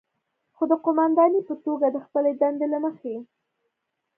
خو د قوماندانې په توګه د خپلې دندې له مخې،